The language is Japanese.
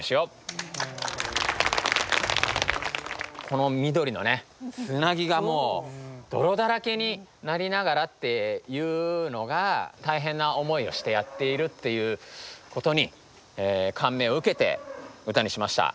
この緑のつなぎがもう泥だらけになりながらっていうのが大変な思いをしてやっているっていうことに感銘を受けて歌にしました。